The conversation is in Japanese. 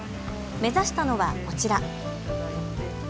目指したのはこちら。